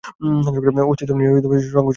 অস্তিত্ব নিয়ে সংকটে পড়েছিলাম বলে।